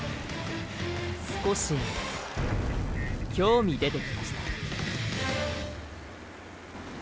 少し興味出てきました。